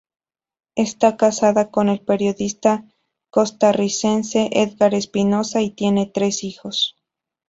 Esta casada con el periodista costarricense Édgar Espinoza y tiene tres hijos.